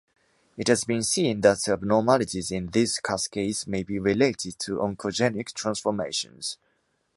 It has been seen that abnormalities in these cascades may be related to oncogenic transformations.